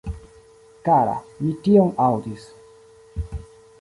Kara, mi tion aŭdis.